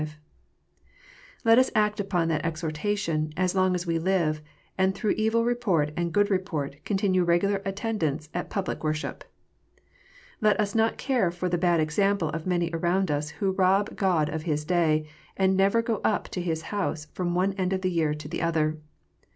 Let us act upon that exhortation, as long as we live, and through evil report and good report continue regular attendants at public worship. Let us not care for the bad example of many around us who rob God of His Bay, and never go up to His House from one end of the year to the other.